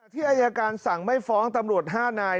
อายการสั่งไม่ฟ้องตำรวจ๕นาย